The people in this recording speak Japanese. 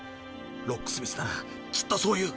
ロックスミスならきっとそう言う。